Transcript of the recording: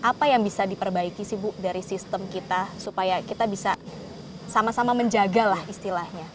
apa yang bisa diperbaiki sih bu dari sistem kita supaya kita bisa sama sama menjaga lah istilahnya